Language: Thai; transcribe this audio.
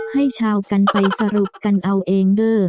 ให้ชาวกันไปสรุปกันเอาเองเด้อ